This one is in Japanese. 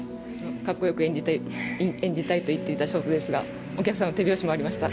かっこよく演じたいと言っていたショートですがお客さんの手拍子もありました